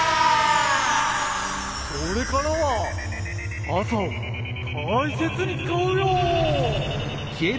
これからはかさをたいせつにつかうよ。